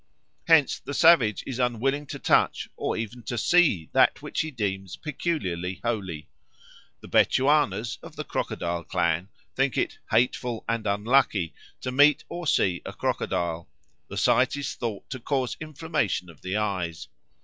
Hence the savage is unwilling to touch or even to see that which he deems peculiarly holy. Thus Bechuanas, of the Crocodile clan, think it "hateful and unlucky" to meet or see a crocodile; the sight is thought to cause inflammation of the eyes.